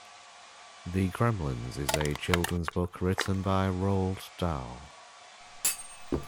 The Gremlins is a children's book, written by Roald Dahl.